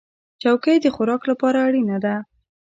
چوکۍ د خوراک لپاره اړینه ده.